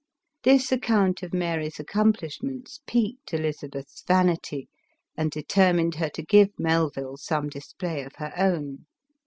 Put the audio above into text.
This account of Mary's accomplishments piqued Elizabeth's vanity, and determined her to give Melville some display of her own.